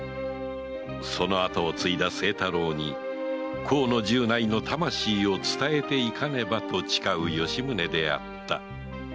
そのあとを継いだ清太郎に河野十内の魂を伝えていかねばと誓う吉宗であった